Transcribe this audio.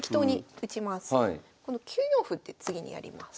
９四歩って次にやります。